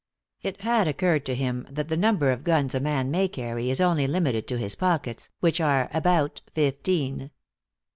It had occurred to him that the number of guns a man may carry is only limited to his pockets, which are about fifteen.